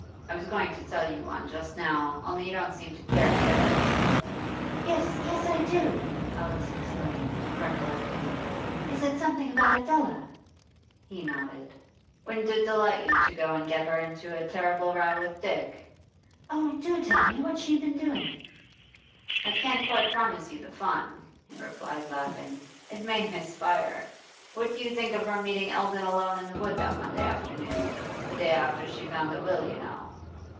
I was going to tell you one just now, only you don't seem to care to bear it.' 'Yes, yes, I do!' Alice exclaimed, recollecting. 'Is it something about Adela?' He nodded. 'Wouldn't it delight you to go and get her into a terrible row with Dick?' 'Oh, do tell me! What's she been doing?' 'I can't quite promise you the fun,' he replied, laughing. 'It may miss fire. What do you think of her meeting Eldon alone in the wood that Monday afternoon, the day after she found the will, you know?